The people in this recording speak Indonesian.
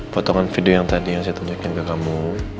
potongan video yang tadi yang saya tunjukin ke kamu